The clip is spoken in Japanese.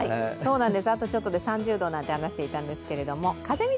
あとちょっとで３０度なんて話していたんですけれども。